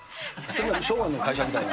昭和の会社みたいな。